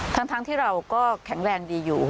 ทั้งที่เราก็แข็งแรงดีอยู่